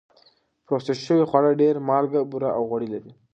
پروسس شوي خواړه ډېر مالګه، بوره او غوړي لري.